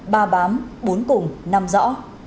ba bám bốn cùng năm rõ